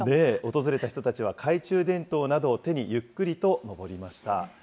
訪れた人たちは懐中電灯などを手にゆっくりと上りました。